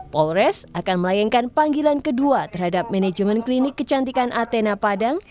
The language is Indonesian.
polres akan melayangkan panggilan kedua terhadap manajemen klinik kecantikan athena padang